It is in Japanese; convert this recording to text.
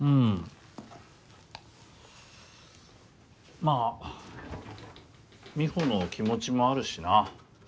まあ美帆の気持ちもあるしな。